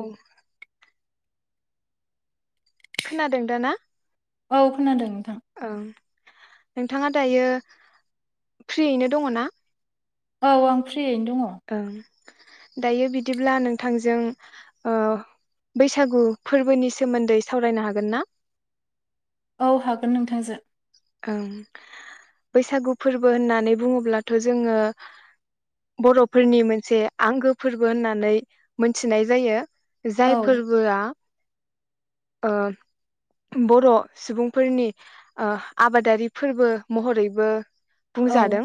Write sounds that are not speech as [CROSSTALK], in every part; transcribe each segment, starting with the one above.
औ। खोनादों दा ना? औ खोनादों । ओं नोंथाङा दायो फ्रियैनो दङ' ना? औ आं फ्रियैनो दङ'। ओं दायो बिदिब्ला नोंथांजों ओ बैसागु फोरबोनि सोमोन्दै सावरायनो हागोन ना? औ हागोन नोंथांजो। ओं बैसागु फोरबो होननानै बुङोब्लाथ' जोङो बर'फोरनि मोनसे आंगो फोरबो होननानै मोनथिनाय जायो। औ जाय फोरबोआ ओ बर' सुबुंफोरनि ओ आबादारि फोरबो महरैबो औ बुंजादों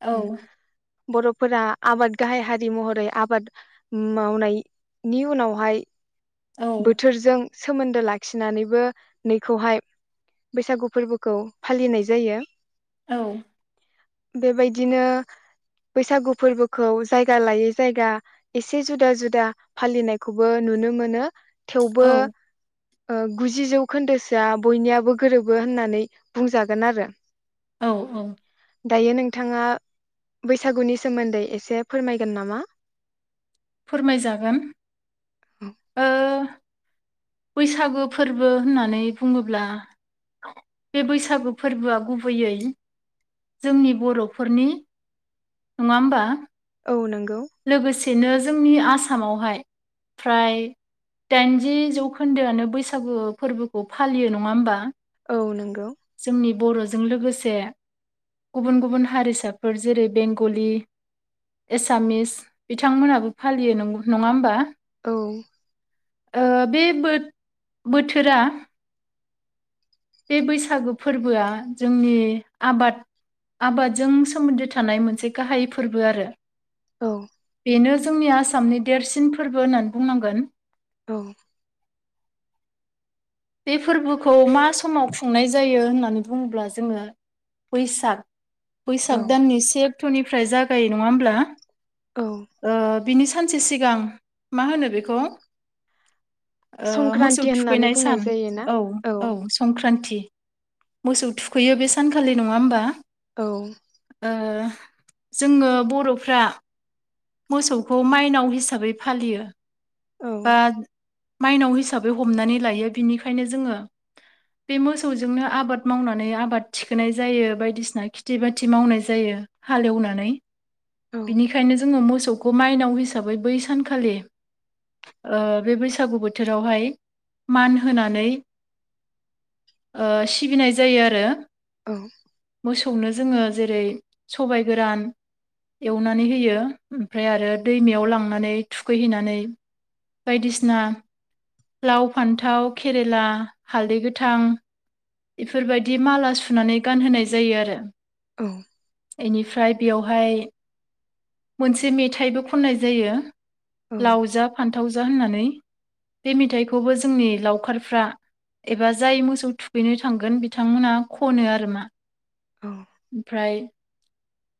औ बर'फोरा आबाद गाहाय हारि महरै आबाद मावनायनि उनावहाय औ बोथोरजों सोमोन्दो लाखिनानैबो नैखौहाय बैसागु फोरबो खौ फालिनाय जायो। औ। बेबायदिनो बैसागु फोरबोखौ जायगा लायै जायगा एसे जुदा जुदा फालिनायखौबो नुनो मोनो। थेवबो ओ गुजि जौ खोन्दोसोआ बयनियाबो गोरोबो होननानै बुंजागोन आरो। औ औ। दायो नोंथाङा बैसागुनि सोमोन्दै एसे फोरमायगोन नामा? फोरमायजागोन ओ बैसागु फोर्बो होननानै बुङोब्ला बे बैसागु फोर्बोआ गुबैयै जोंनि बर'फोरनि नङा होमबा? औ नंगौ। लोगोस एसेनो जोंनि आसामावहाय फ्राय दाइनजि जौखोन्दोआनो बैसागु फोर्बोखौ फालियो नङा होमबा? औ नंगौ। जोंनि बर'जों लोगोसे गुबुन गुबुन हारिसाफोर जेरै बेंगलि एसामिस। बिथांमोनाबो फालियो नंगौ नङा होमबा? औ। ओ बे बो बोथोरा बे बैसागु फोर्बोआ जोंनि आबाद आबादजों सोमोन्दो थानाय मोनसे गाहाय फोर्बो आरो। औ। बेनो जोंनि आसामनि देरसिन फोर्बो होननानै बुंनांगोन। औ। बे फोर्बोखौ मा समाव खुंनाय जायो होननानै बुङोब्ला जोङो बैसाग। औ बैसाग दाननि से अक्टनि फ्राय जागायो नङा होमब्ला? औ ओ बिनि सानसे सिगां मा होनो बेखौ ओ मोसौ संक्रान्ति होननानै थुखैनाय सान बुंनाय जायो। औ औ संक्रान्ति। ति मोसौ थुखैयो बे सानखालि नङा होमबा? औ। ओ जोङो बर'फ्रा मोसौखौ माइनाव हिसाबै फालियो। औ बा माइनाव हिसाबै हमनानै लायो बिनिखायनो जोङो बे मोसौजोंनो आबाद मावनानै आबाद थिखोनाय जायो बायदिसिना खेथि बाथि मावनाय जायो हालेवनानै। औ बेनिखायनो जों जोङो मोसौखौ माइनाव हिसाबै बै सानखालि ओ बे बैसागु बोथोरावहाय मान होनानै ओ सिबिनाय जायो आरो। औ। मोसौनो जोङो जेरै सबाइ गोरान एवनानै होयो। ओमफ्राय आरो दैमायाव लांनानै थुखैहैनानै बायदिसिना लाव फान्थाव केरेला हालदै गोथां इफोरबायदि माला सुनानै गानहोनाय जायो आरो। औ। एनिफ्राय बेयावहाय मोनसे मेथाइबो खननाय जायो। लाव जा फान्थाव ज जा होननानै बे मेथाइखौबो जोंनि लावखारफ्रा एबा जाय मोसौ थुखैनो थांगोन बिथांमोनहा खनो आरो मा। ओमफ्राय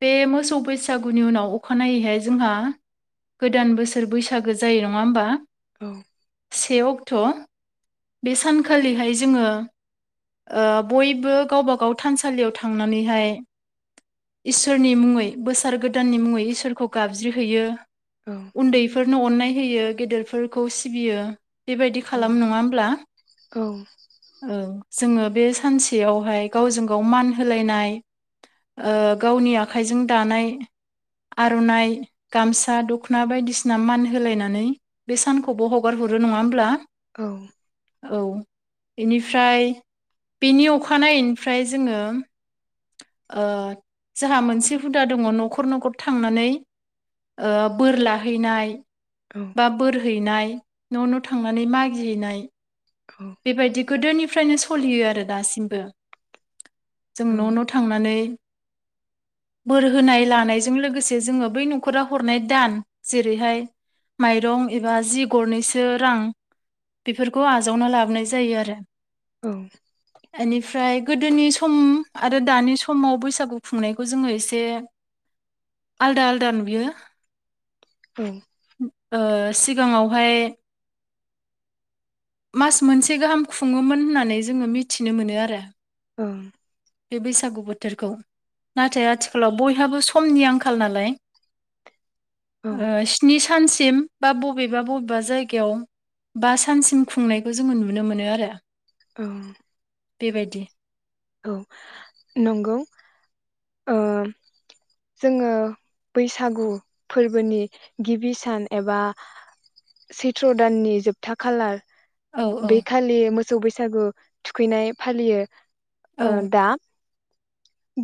बे मोसौ बैसागुनि उनाव अखानायैहाय जोंहा गोदान बोसोर बैसागो जायो नङा होमबा? औ से अक्ट' बे सानखालिहाय जोङो ओ बयबो गावबा गाव थानसालियाव थांनानैहाय इसोरनि मुङै बोसोर गोदाननि मुङै इसोरखौ गाबज्रि हैयो । उन्दैफोरनो अननाय होयो गेदेरफोरखौ सिबियो बेबायदि खालाम नङा होमब्ला? औ । जोङो बे सानसेयावहाय गावजों गाव मान होलायनाय ओ गावनि आखाइजों दानाय आर'नाइ गामसा दख'ना बायदिसिना मान होलायनानै बे सानखौबो हगार हरो नङा होमब्ला? औ औ बेनिफ्राय बेनि अखानायैनिफ्राय जोङो जोंहा मोनसे हुदा दङ न'खर न'खर थांनानै ओ बोर लाहैनाय बा बोरहैनाय । न' न' थांनानै मागिहैनाय बेबायदि गोदोनि निफ्रायनो सलियो आरो दासिमबो जों न' न' थांनानै बोर होनाय लानायजों लोगोसे जोङो बै न'खरा हरनाय दान जेरैहाय माइरं एबा जि गरनैसो रां बेफोरखौ आजावना ला नाय जायो आरो औ इनिफ्राइ गोदोनि सम आरो दानि समाव बैसागु खुंनायखौ जोङो एसे आलदा आलदा नुयो औ ओ सिगांआवहाय मोनसे गाहाम खुङोमोन होननानै जोङो मिथिनो मोनो आरो । औ बे बैसागु बोथोरखौ नाथाय आथिखालाव बयहाबो समनि आंखाल नालाय ओ स्नि सानसिम बा बबेबा बबेबा जायगायाव बा सानसिम खुंनाय खौ जोङो नुनो मोनो आरो । औ बेबायदि औ नंगौ । ओ जोङो बैसागु फोरबोनि गिबि सान एबा सैथ्र' दाननि जोबथा खालार औ औ बे खालि मोसौ बैस बैसागु थुखैनाय फालियो । औ ओ दा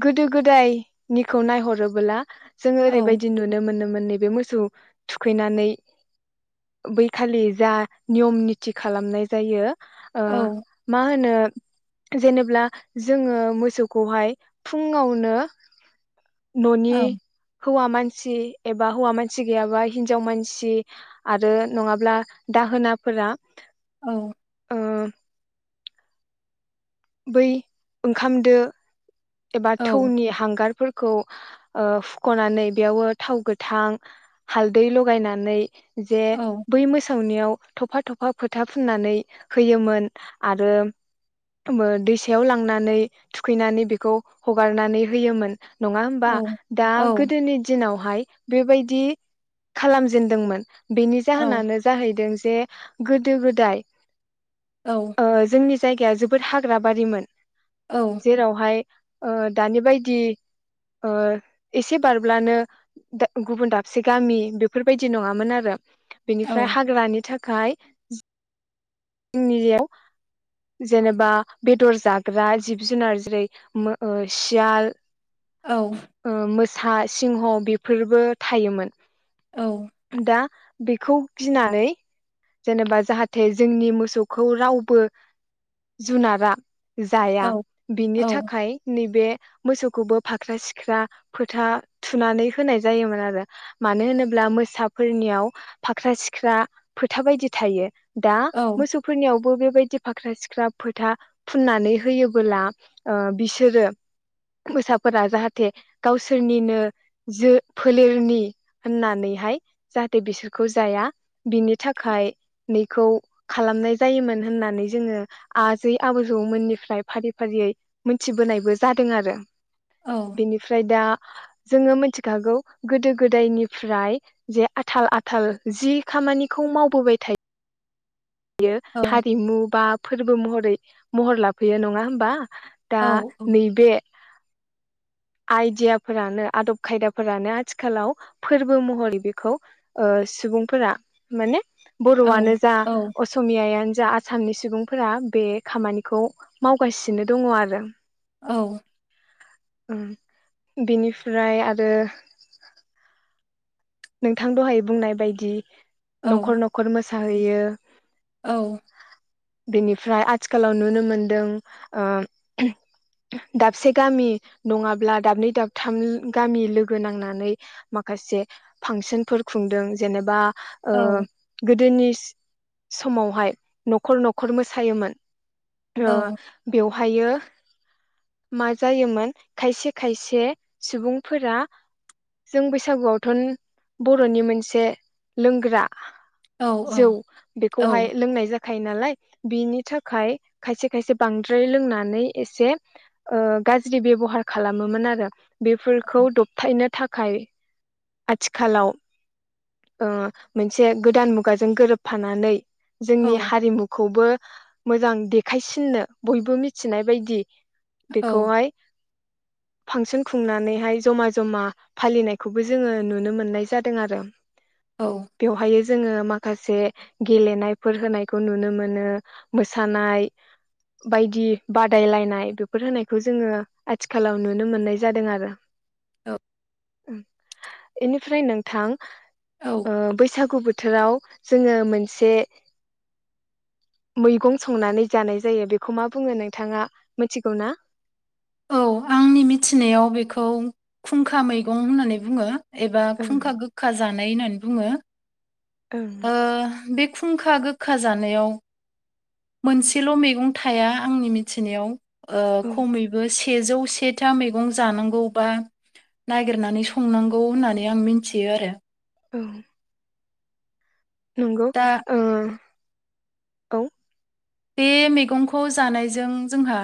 गोदो गोदाय निखौ नायहरोबोला जोङो औ ओरैबायदि नुनो मोनोमोन नैबे मोसौ थुखैनानै बैखालि जा नियम निति खालामनाय जायो ओ औ मा होनो जेनोब्ला जोङो मोसौखौहाय फुं आवनो न'नि हौवा मानसि एबा हौवा मानसि गैयाबा हिन्जाव मानसि आरो नङाब्ला दाहोनाफोरा औ ओ बै ओंखाम दो एबा औ थौनि हांगारफोर खौ ओ फुख'नानै बेयावो थाव गोथां हालदै लगायनानै जे औ बै मोसौनियाव थफा थफा फोथा फुननानै होयोमोन आरो बो दैसायाव लांनानै थुखैनानै बेखौ हगारनानै होयोमोन नङा होमबा दा औ गोदोनि दिनावहाय बेबायदि खालामजेनदोंमोन बेनि जाहोनानो जाहैदों जे गोदो गोदाय औ ओ जोंनि जायगाया जोब बोद हाग्रा बारिमोन जेरावहाय ओ दानि बायदि ओ एसे बारब्लानो दा गुबुन दाबसे गामि बेफोरबायदि नङामोन आरो औ बेनिफ्राय हाग्रानि थाख खाय जोंनियाव जेनेबा बेदर जाग्रा जिब जुनार जेरै मो ओ सियाल औ ओ मोस सा सिंह बेफोरबो थायोमोन। दा बेखौ गिनानै जेनेबा जाहाथे जोंनि मोसौखौ रावबो जुनारा औ जाया बिनि थाखाय नै बे मोसौखौबो फाख्रा सिख्रा फोथा थुनानै होनाय जायोमोन आरो मानो होनोब्ला मोसाफोरनियाव फाख्रा सिख्रा फोथा बायदि थायो दा मोसौफोरनियाव बो बेबायदि फाख्रा सिख्रा फोथा फुननानै होयोबोला ओ बिसोरो मोसाफोरा जाहाथे गावसोरनिनो जो फोलेरनि होननानैहाय जाहाथे बिसोरखौ जाया बिनि थाखाय नैखौ खालामनाय जायोमोन होननानै जोङो आजै आजौमोननिफ्राय फारि फारियै मोनथिबोनायबो जादों आरो । बेनिफ्राय दा जोङो मिथिखागौ गोदो गोदायनिफ्राय जे आथाल आथाल जि खामानिखौ मावबोबाय थायो बेयो हारिमु बा फो रबो महरै महर लाफैयो नङा होमबा औ । दा औ नैबे आइडियाफोरानो आदब खायदाफोरानो आथिखालाव फोरबो महरै बेखौ ओ सुबुंफोरा माने औ बर'आनो जा असमिया यानो जा आसामनि सुबुंफोरा बे खामानिखौ मावगासिनो दङ आरो औ उम बेनिफ्राय आरो नोंथां दहाय बुंनाय बायदि औ नखर नखर मो साहैयो औ बेनिफ्राय आथिखालाव नुनो मोनदों ओ दाबसे गामि नङाब्ला दाबनै दाबथाम गामि लोगो नांनानै माखासे फांसनफोर खुंदों जेनेबा ओ औ गो दोनि समावहाय नखर नखर मोसायोमोन ओ औ बेव वहायो मा जायोमोन खायसे खायसे सुबुंफोरा जों बैसागुआवथ' बर'नि मोनसे लोंग्रा औ जौ औ बेखौहाय लोंनाय जा खायो नालाय बिनि थाखाय खायसे खायसे बांद्राय लोंनानै एसे ओ गाज्रि बेबहार खालामोमोन आरो बेफोरखौ दबथायनो था खाय आथिखालाव ओ मोनसे गोदान मुगाजों गोरोबफानानै जोंनि हारिमुखौबो मोजां देखायसिननो बयबो मिथिनाय बायदि औ बेखौहाय फांसन खुंनानैहाय जमा जमा फालिनायखौबो जोङो नुनो मोननाय जादों आरो । औ बेवहाय जोङो माखासे गेलेनायफोर होनायखौ नुनो मोनो मोसानाय बायदि बादायलायनाय बेफोर होनायखौ जोङो आथिखालाव नुनो मोननाय जादों आरो औ [UNINTELLIGIBLE] इनिफ्राय नोंथां औ ओ बैसागु बो थोराव जोङो मोनसे मैगं संनानै जानाय जायो बेखौ मा बुङो नोंथाङा मिथिगौ ना? औ आंनि मिथिनायाव बेखौ खुंखा मैगं होननानै बुङो। एबा ओं खुंखा गोखा जा नाय होनना बुङो। ओं। ओ बे खुंखा गोखा जानायाव मोनसेल' मैगं थाया आंनि मिथिनायाव। ओ खमैबो से सेजौ सेथा मैगं जानांगौ बा नागिरनानै संनांगौ होननानै आं मिथियो आरो। औ। नंगौ दा ओ औ। बे मैगंखौ जानायजों जोंहा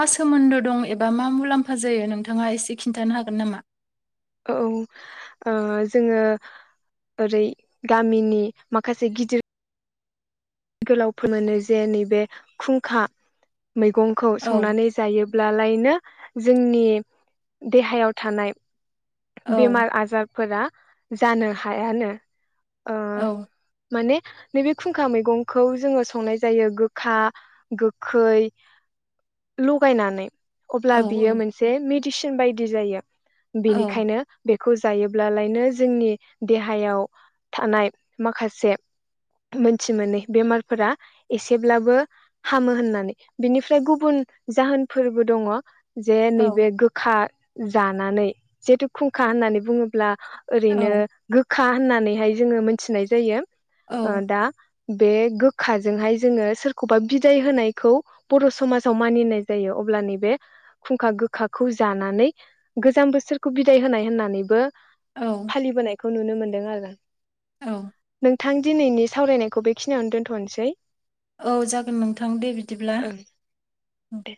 मा सोमोन्दो दं एबा मा मुलाम्फा जायो नोंथाङा एसे खिन्थानो हागोन नामा। औ जोङो ओरै गामिनि माखासे गिदिर गोलावफोर जे नैबे खुंखा मैगंखौ औ संनानै जायोब्लालायनो जोंनि देहायाव थानाय औ बेमार आजारफोरा जानो हायानो। ओ औ माने नैबे खुंखा मैगंखौ जोङो संनाय जायो गोखा गोखै लगायनानै। औ अब्ला बियो मोनसे मि दिसन बायदि जायो। औ। बेनिखायनो बेखौ जायोब्लालायनो जोंनि देहायाव थानाय माखासे मोनथि मोनै बेमारफोरा एसेब्लाबो हामो होननानै बिनिफ्राय गुबुन जाहोनफोरबो दङ। जे औ नैबे गोखा जानानै जिहेतु खुंखा होननानै बुङोब्ला ओरैनो गो खा होननानैहाय जोङो मोनथिनाय जायो। औ ओ दा बे गोखाजोंहाय जोङो सोरखौबा बिदाय होनायखौ बर' समाजाव मानिनाय जायो अब्ला नै बेे खुंखा गोखाखौ जानानै गोजाम बोसोर खौ बिदाय होनाय होननानैबो फालिबोनाय खौ नुनो मोन्दों आरोना। औ थां दिनैनि सावरायनायखौ बेखिनियावनो दोनथ'नोसै । औ जागोन नोंथां दे बिदिब्ला ओं । दे